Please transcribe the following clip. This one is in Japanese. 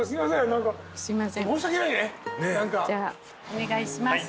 お願いします。